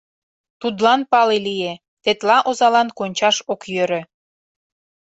Тудлан пале лие, тетла озалан кончаш ок йӧрӧ.